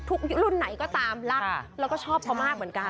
รุ่นไหนก็ตามรักแล้วก็ชอบเขามากเหมือนกัน